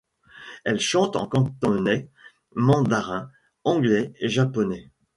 Elle chante en cantonais, mandarin, anglais et japonais.